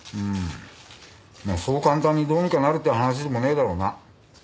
まあそう簡単にどうにかなるって話でもねえだろうな。